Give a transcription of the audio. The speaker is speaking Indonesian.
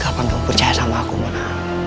kapan dong percaya sama aku mona